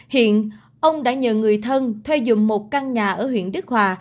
hiện ông đã nhờ người thân thuê dùng một căn nhà ở huyện đức hòa